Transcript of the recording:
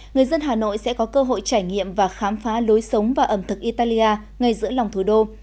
người dân hà nội sẽ có cơ hội trải nghiệm và khám phá lối sống và ẩm thực italia ngay giữa lòng thủ đô